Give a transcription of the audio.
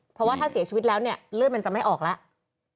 เพราะว่าถ้าเสียชีวิตแล้วเนี่ยเลือดมันจะไม่ออกแล้ว